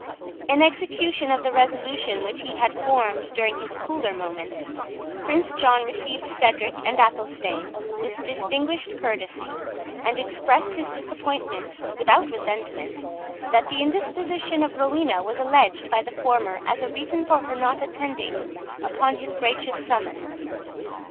In execution of the resolution which he had formed during his cooler moments, Prince John received Cedric and Athelstane with distinguished courtesy, and expressed his disappointment, without resentment, when the indisposition of Rowena was alleged by the former as a reason for her not attending upon his gracious summons.